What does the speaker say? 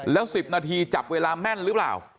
แล้ว๑๐นาทีจับเวลาแม่นหรือเปล่า